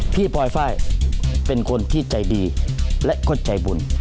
พี่ปลอยฟ่ายเป็นคนที่ใจดีและก็ใจบุญ